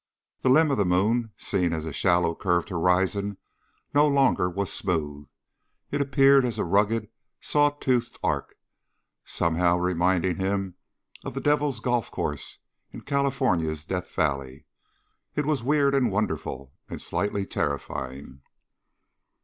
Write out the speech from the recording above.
The limb of the moon, seen as a shallow curved horizon, no longer was smooth. It appeared as a rugged saw toothed arc, somehow reminding him of the Devil's Golf Course in California's Death Valley. It was weird and wonderful, and slightly terrifying.